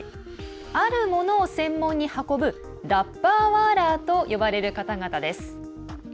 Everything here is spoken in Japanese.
あるものを専門に運ぶダッバーワーラーと呼ばれる方々です。